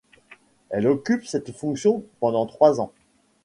Elle occupe cette fonction pendant trois ans.